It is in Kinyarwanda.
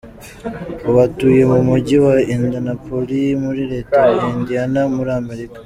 Ubu atuye mu Mujyi wa Indianapolis muri Leta ya Indiana muri Amerika.